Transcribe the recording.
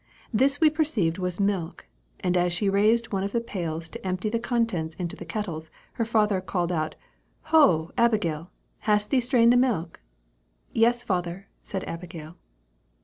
This we perceived was milk, and as she raised one of the pails to empty the contents into the kettles, her father called out, "Ho, Abigail! hast thee strained the milk?" "Yes, father," said Abigail.